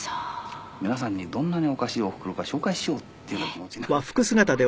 皆さんにどんなにおかしいおふくろか紹介しようっていうような気持ちになってね。